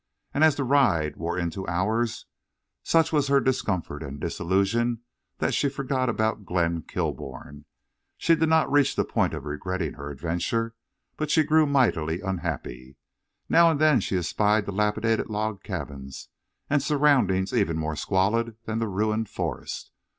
And as the ride wore into hours, such was her discomfort and disillusion that she forgot about Glenn Kilbourne. She did not reach the point of regretting her adventure, but she grew mightily unhappy. Now and then she espied dilapidated log cabins and surroundings even more squalid than the ruined forest.